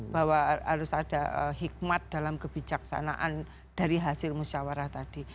bahwa harus ada hikmat dalam kebijaksanaan dari hasil musyawarah tadi